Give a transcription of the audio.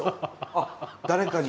あ誰かに？